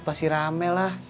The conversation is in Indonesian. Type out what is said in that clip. pasti rame lah